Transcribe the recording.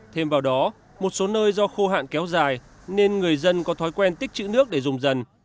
thêm vào đó một số nơi do khô hạn kéo dài nên người dân có thói quen tích chữ nước để dùng dần